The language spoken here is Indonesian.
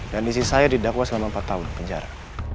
dan istri saya didakwa selama empat tahun di penjara